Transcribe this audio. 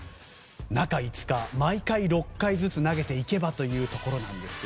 中５日、毎回６回ずつ投げていけばというところですが。